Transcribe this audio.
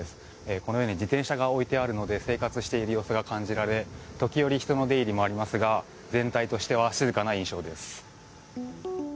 このように自転車が置いてあるので生活している様子が感じられ時折、人の出入りもありますが全体としては静かな印象です。